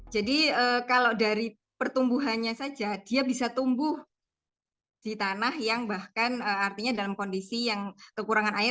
jadi kalau dari pertumbuhannya saja dia bisa tumbuh di tanah yang bahkan artinya dalam kondisi yang kekurangan agar